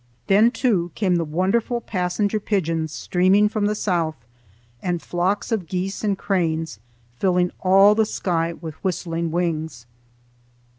Then, too, came the wonderful passenger pigeons streaming from the south, and flocks of geese and cranes, filling all the sky with whistling wings.